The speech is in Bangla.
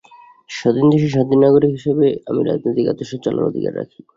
স্বাধীন দেশের স্বাধীন নাগরিক হিসেবে আমি রাজনৈতিক আদর্শে চলার অধিকার রাখি।